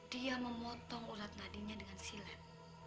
dia memotong ulat nadinya dengan silat